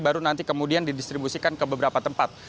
baru nanti kemudian didistribusikan ke beberapa tempat